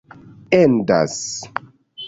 endas